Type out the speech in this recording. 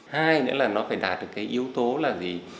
hai nữa là nó phải đạt được cái yếu tố là gì